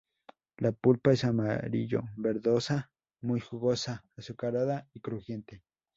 La pulpa es amarillo verdosa, muy jugosa, azucarada y crujiente.